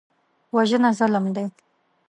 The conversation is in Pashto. وژنه ظلم دی